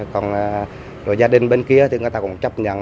còn rồi gia đình bên kia thì người ta cũng chấp nhận